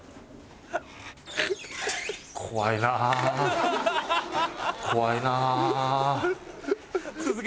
怖いな怖いな。